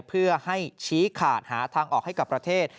เพื่อให้ชี้ขาดหาทางออกให้กับประเทศ